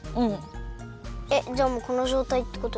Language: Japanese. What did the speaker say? じゃあもうこのじょうたいってこと？